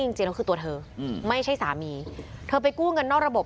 จริงแล้วคือตัวเธออืมไม่ใช่สามีเธอไปกู้เงินนอกระบบ